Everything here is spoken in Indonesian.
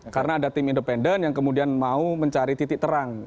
karena ada tim independen yang kemudian mau mencari titik terang